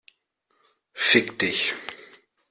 Fick dich!